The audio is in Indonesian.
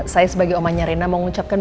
saya sebagai omanya reina mau ngucapkan